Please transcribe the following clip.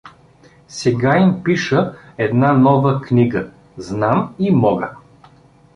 Сега им пиша една нова книга — „Знам и Мога“.